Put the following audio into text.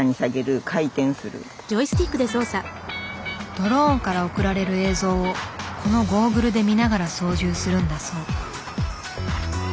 ドローンから送られる映像をこのゴーグルで見ながら操縦するんだそう。